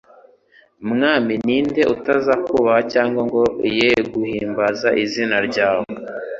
Mwami ni nde utazakubaha cyangwa ngo ye guhimbaza Izina ryawe?